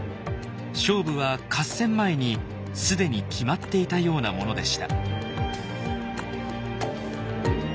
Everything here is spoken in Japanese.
勝負は合戦前に既に決まっていたようなものでした。